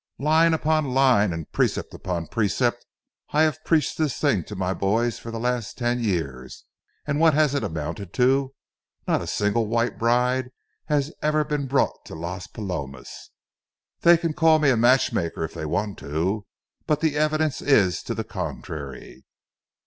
Line upon line and precept upon precept, I have preached this thing to my boys for the last ten years, and what has it amounted to? Not a single white bride has ever been brought to Las Palomas. They can call me a matchmaker if they want to, but the evidence is to the contrary."